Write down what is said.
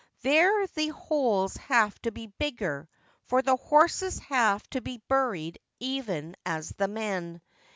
There the holes have to be bigger, for the horses have to be buried even as the men.